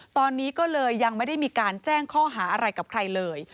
ตอนนี้ก็เลยยังไม่ได้มีการแจ้งข้อหาอะไรกับใครเลย